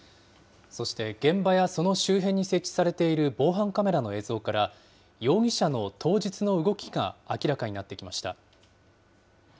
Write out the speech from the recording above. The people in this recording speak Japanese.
そして現場やその周辺に設置されている防犯カメラの映像から、容疑者の当日の動きが明らかになってきました。